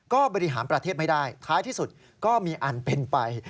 ก็บริหารประเทศไม่ได้ท้ายที่สุดก็มีอันเป็นไป